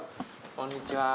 こんにちは。